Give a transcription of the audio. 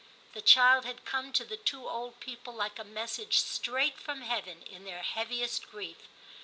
The child had come to the two old people like a message straight from heaven, in their heaviest grief.